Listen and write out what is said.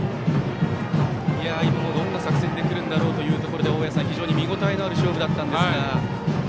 今、どんな作戦で来るんだろうと大矢さん、非常に見応えのある勝負だったんですが。